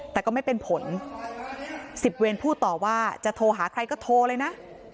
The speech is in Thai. แต่ก็ไม่เป็นผล๑๐เวรพูดต่อว่าจะโทรหาใครก็โทรเลยนะ